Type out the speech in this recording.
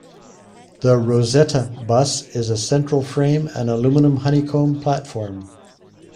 The "Rosetta" bus is a central frame and aluminium honeycomb platform.